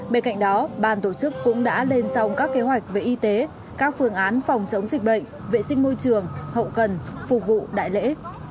bên cạnh đó ban tổ chức cũng đã lên xong các kế hoạch về y tế các phương án phòng chống dịch bệnh vệ sinh môi trường hậu cần phục vụ đại lễ